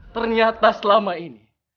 ternyata selama ini